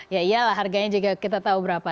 ya iyalah harganya juga kita tahu berapa